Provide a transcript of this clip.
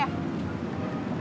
ya gitu deh